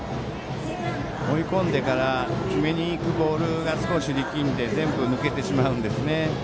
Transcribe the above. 追い込んでから決めに行くボールが少し力んで全部抜けてしまうんですね。